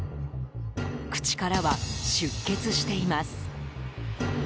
口からは出血しています。